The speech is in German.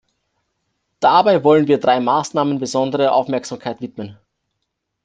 Dabei wollen wir drei Maßnahmen besondere Aufmerksamkeit widmen.